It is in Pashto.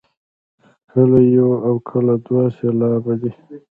کله یو او کله دوه سېلابه دی.